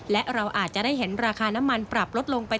และเราอาจจะได้เห็นราคาน้ำมันปรับลดลงไป